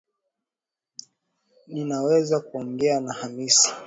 Ninaweza kuongea na hamisi